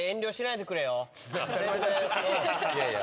いやいや。